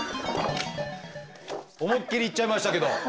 思いっきりいっちゃいましたけど。